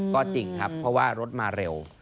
ก็จริงครับเพราะว่ารถมาเร็ว